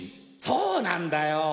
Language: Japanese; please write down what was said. そうなんだよ。